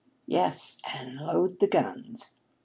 "Yes, and load the guns."